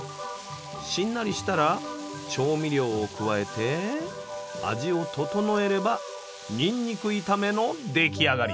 しんなりしたら調味料を加えて味を調えればニンニク炒めの出来上がり。